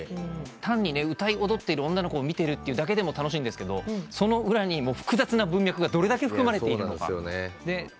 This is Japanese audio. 単に歌い踊ってる女の子を見てるだけでも楽しいんですがその裏に複雑な文脈がどれだけ含まれているのか？